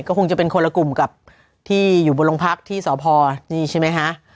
ก็คงจะเป็นคนละกลุ่มกับที่อยู่บนโรงพักที่สพนี่ใช่ไหมคะ